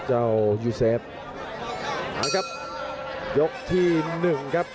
พยายามจะไถ่หน้านี่ครับการต้องเตือนเลยครับ